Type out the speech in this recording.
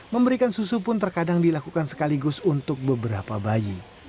memberikan susu pun terkadang dilakukan sekaligus untuk beberapa bayi